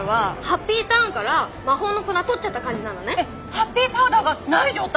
ハッピーパウダーがない状態？